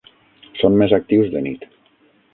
Són més actius de nit.